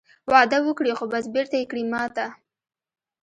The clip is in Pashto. وعده وکړې خو بس بېرته یې کړې ماته